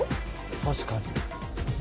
確かに。